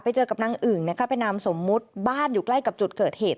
ไปเจอกับนางอึ่งนะคะเป็นนามสมมุติบ้านอยู่ใกล้กับจุดเกิดเหตุ